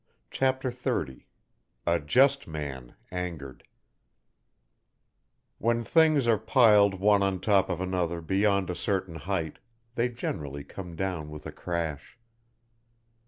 CHAPTER XXX A JUST MAN ANGERED When things are piled one on top of another beyond a certain height, they generally come down with a crash.